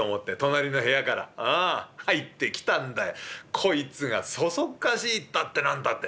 こいつがそそっかしいったってなんたって。